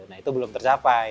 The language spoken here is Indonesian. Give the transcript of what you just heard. nah itu belum tercapai